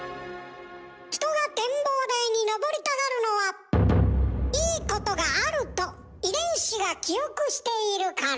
人が展望台にのぼりたがるのは「いいことがある」と遺伝子が記憶しているから。